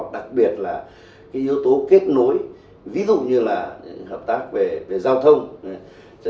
đặc biệt là yếu tố kết nối ví dụ như là hợp tác về giao thông